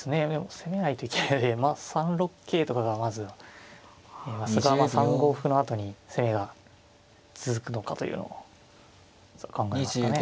攻めないといけないので３六桂とかがまずは見えますが３五歩のあとに攻めが続くのかというのを考えますかね。